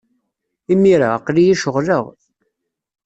Imir-a, aql-iyi ceɣleɣ.